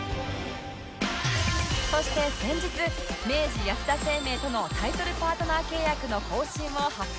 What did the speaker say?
そして先日明治安田生命とのタイトルパートナー契約の更新を発表